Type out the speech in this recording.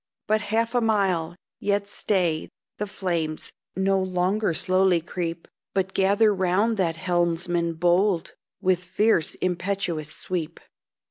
But half a mile! Yet stay, the flames No longer slowly creep, But gather round that helmsman bold, With fierce, impetuous sweep.